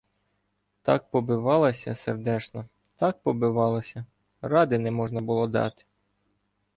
Так побивалася, сердешна, так побивалася — ради не можна було дати.